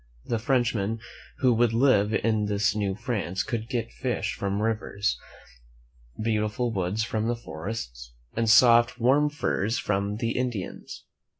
The Frenchmen who would live in this New France could get fish from the rivers, beautiful woods from the forests, and soft, warm furs from the Indians.